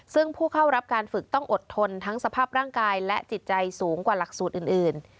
ซึ่งผู้เข้ารับการฝึกต้องอดทนทั้งสภาพร่างกายและจิตใจสูงกว่าหลักสูตรอื่น